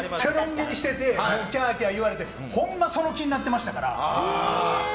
毛にしててキャーキャー言われてほんま、その気になってましたから。